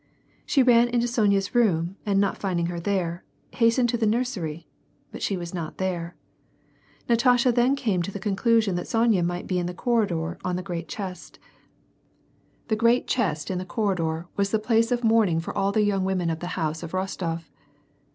She ran into Sonya's room and not finding her there, has tened to the nursery, but she was not there. Natasha then came to the conclusion that Soyna might be 'u\ the corridor on the great chest. The great chest in the corridor was the WAR AND PEACE. 77 place of mourning for all the young women of the house of Rostof.